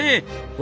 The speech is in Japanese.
お？